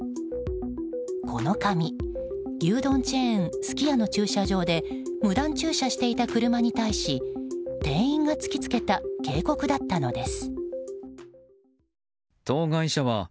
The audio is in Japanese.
この紙、牛丼チェーンすき家の駐車場で無断駐車していた車に対し店員が突き付けた警告だったのです。